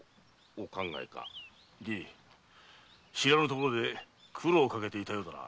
じい知らぬところで苦労をかけていたようだな。